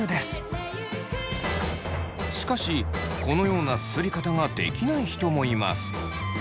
しかしこのようなすすり方ができない人もいます。